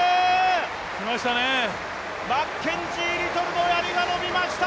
マッケンジー・リトルのやりは伸びました！